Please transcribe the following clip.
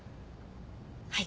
はい。